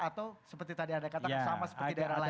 atau seperti tadi anda katakan sama seperti daerah lain